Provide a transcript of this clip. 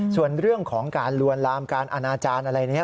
ส่วนเรื่องของการลวนลามการอนาจารย์อะไรเนี่ย